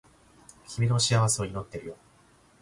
君の幸せを祈っているよ